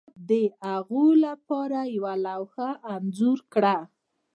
ما د هغوی لپاره یوه لوحه انځور کړه